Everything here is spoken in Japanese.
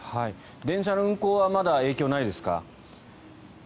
電車の運行はまだ影響はないですか。